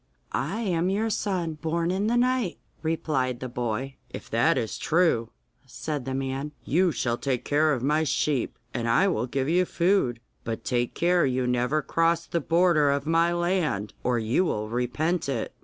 'I am your son, born in the night,' replied the boy. 'If that is true,' said the man, 'you shall take care of my sheep, and I will give you food. But take care you never cross the border of my land, or you will repent it.